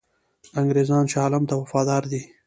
انګرېزان شاه عالم ته وفادار دي.